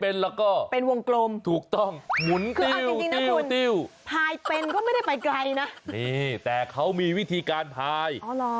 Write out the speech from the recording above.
นี่แต่เค้ามีวิธีการพาย